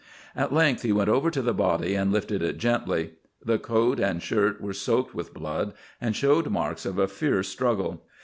At length he went over to the body, and lifted it gently. The coat and shirt were soaked with blood, and showed marks of a fierce struggle.